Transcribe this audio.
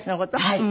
はい。